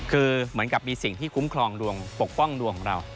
คือเหมือนกับมีสิ่งที่คุ้มครองดวงปกป้องดวงของเรา